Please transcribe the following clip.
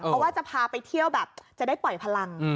เพราะว่าจะพาไปเที่ยวแบบจะได้ปล่อยพลัง